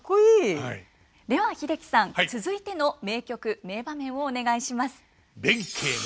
では英樹さん続いての名曲名場面をお願いします。